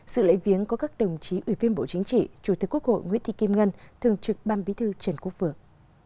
sự lễ viếng có các đồng chí ủy viên bộ chính trị chủ tịch quốc hội nguyễn thị kim ngân thường trực ban bí thư trần quốc vượng